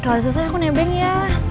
kalau selesai aku nebeng ya